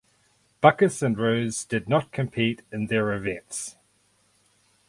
Baccus and Rose did not compete in their events.